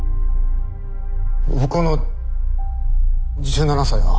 僕の１７才は。